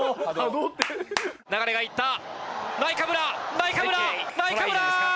流が行ったナイカブラナイカブラナイカブラ！